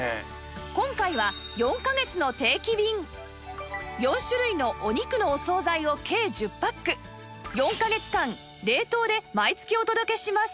今回は４種類のお肉のお惣菜を計１０パック４カ月間冷凍で毎月お届けします